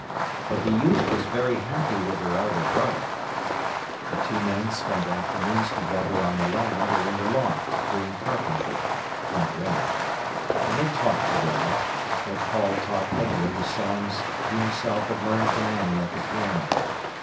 But the youth was very happy with her elder brother. The two men spent afternoons together on the land or in the loft doing carpentry, when it rained. And they talked together, or Paul taught Edgar the songs he himself had learned from Annie at the piano.